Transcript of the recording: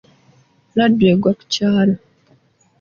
Laddu egwa ku kyalo.